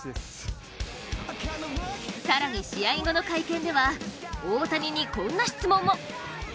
更に、試合後の会見では大谷にこんな質問も。